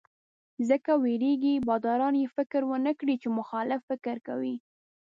ځکه وېرېږي باداران یې فکر ونکړي چې مخالف فکر کوي.